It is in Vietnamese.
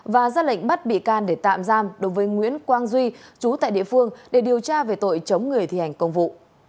và ra lệnh bắt bị can để tạm giam đối với nguyễn quang duy chú tại địa phương để điều tra về tội chống người thi hành công vụ